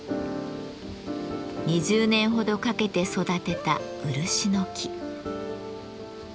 ２０年ほどかけて育てた漆の木。